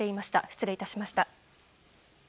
失礼いたしました。